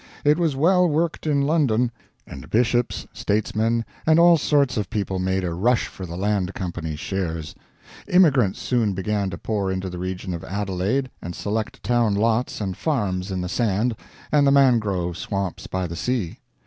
It was well worked in London; and bishops, statesmen, and all sorts of people made a rush for the land company's shares. Immigrants soon began to pour into the region of Adelaide and select town lots and farms in the sand and the mangrove swamps by the sea.